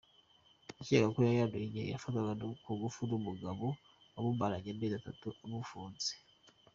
Yakekaga ko yayanduye igihe yafatwaga ku ngufu n’umugabo wamumaranye amezi atatu amufunze.